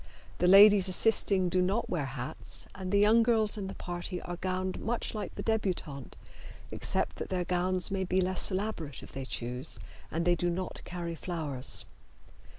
The ladies assisting do not wear hats, and the young girls in the party are gowned much like the debutante, except that their gowns may be less elaborate if they choose, and they do not carry flowers.